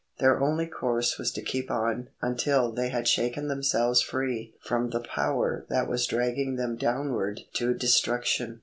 Their only course was to keep on until they had shaken themselves free from the power that was dragging them downward to destruction.